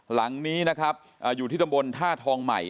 หลังนี้นะครับอยู่ที่ตำบลท่าทองใหม่